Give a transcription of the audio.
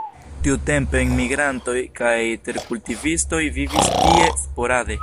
Tiutempe enmigrantoj kaj terkultivistoj vivis tie sporade.